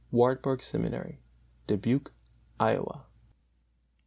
WARTBURG SEMINARY, DUBUQUE, IOWA.